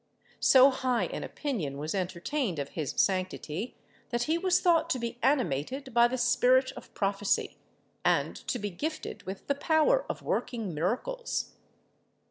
So high an opinion was entertained of his sanctity, that he was thought to be animated by the spirit of prophecy, and to be gifted with the power of working miracles.